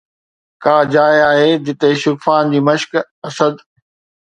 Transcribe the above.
ڪا جاءِ آهي جتي شغفان جي مشق اسد!